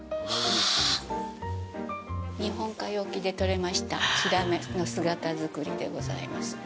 日本海沖で取れましたヒラメの姿造りでございます。